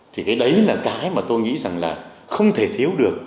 thì cái đấy là cái mà tôi nghĩ rằng là không thể thiếu được